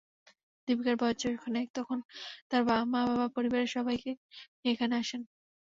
দীপিকার বয়স যখন এক, তখন তাঁর মা-বাবা পরিবারের সবাইকে নিয়ে এখানে আসেন।